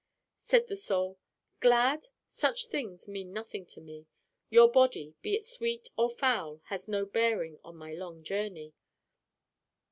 Said the Soul: 'Glad? Such things mean nothing to me. Your body, be it sweet or foul, has no bearing on my long journey.